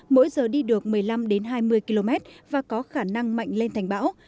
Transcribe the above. mỗi giờ đi được một mươi năm hai mươi km và có khả năng mạnh lên thành bão